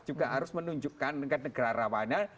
juga harus menunjukkan dengan negara rawanya